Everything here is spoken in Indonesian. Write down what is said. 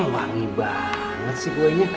wangi banget sih kuenya